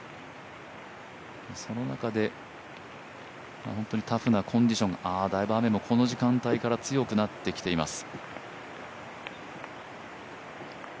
その中で、本当にタフなコンディションだいぶ雨もこの時間帯から強くなってきています。